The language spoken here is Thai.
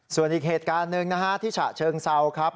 ส่วนอีกเหตุการณ์หนึ่งนะฮะที่ฉะเชิงเซาครับ